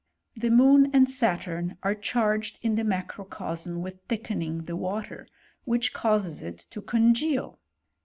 The moon and Saturn are charged in the macrocosm with thick ening the water, which causes it to congeal.